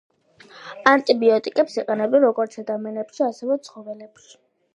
ანტიბიოტიკებს იყენებენ როგორც ადამიანებში ასევე ცხოველებში.